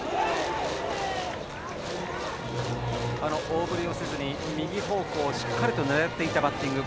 大振りせず右方向をしっかり狙ったバッティング。